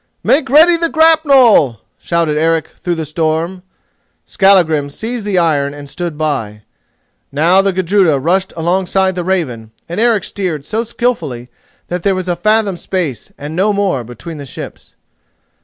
"Make ready the grapnel!" shouted Eric through the storm. Skallagrim seized the iron and stood by. Now the Gudruda rushed alongside the Raven, and Eric steered so skilfully that there was a fathom space, and no more, between the ships.